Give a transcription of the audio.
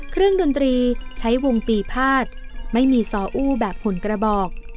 เครื่องดนตรีใช้วงปีภาษณ์ไม่มีสออู้แบบหุ่นกระบอก